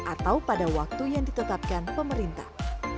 atau pada waktu yang ditetapkan pemerintah